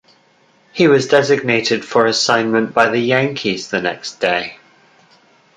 He was designated for assignment by the Yankees the next day.